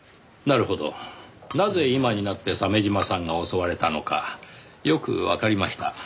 なぜ今になって鮫島さんが襲われたのかよくわかりました。